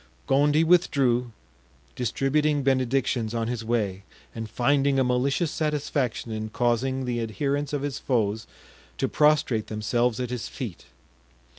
Gondy withdrew, distributing benedictions on his way, and finding a malicious satisfaction in causing the adherents of his foes to prostrate themselves at his feet.